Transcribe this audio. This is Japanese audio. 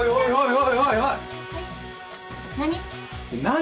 「何？」